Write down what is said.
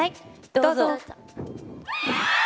どうぞ。